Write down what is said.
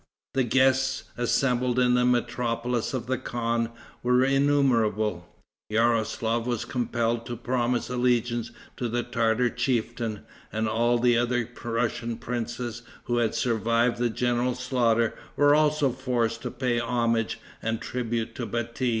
The guests, assembled in the metropolis of the khan, were innumerable. Yaroslaf was compelled to promise allegiance to the Tartar chieftain, and all the other Russian princes, who had survived the general slaughter, were also forced to pay homage and tribute to Bati.